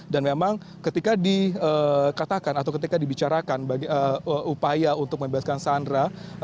memang ketika dikatakan atau ketika dibicarakan upaya untuk membebaskan sandra